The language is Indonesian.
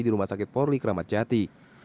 di rumah sakit polri kramatjati